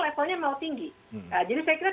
levelnya memang tinggi jadi saya kira